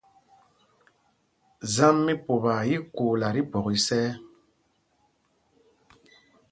Zámb mí Pupaa í í kuula tí phwɔk isɛ̄y.